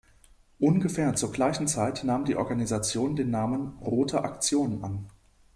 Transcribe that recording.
Ungefähr zur gleichen Zeit nahm die Organisation den Namen "Rote Aktion" an.